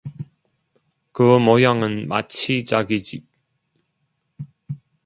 그 모양은 마치 자기 집